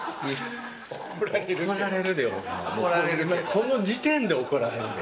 この時点で怒られるで。